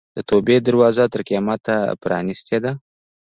د توبې دروازه تر قیامته پرانستې ده.